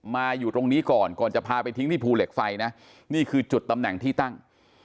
อยู่ตรงนี้ก่อนก่อนจะพาไปทิ้งที่ภูเหล็กไฟนะนี่คือจุดตำแหน่งที่ตั้ง